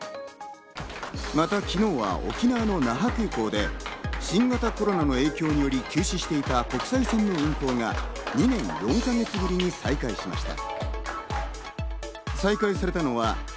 また昨日は沖縄の那覇空港で新型コロナの影響により休止していた国際線の運航が２年４か月ぶりに再会しました。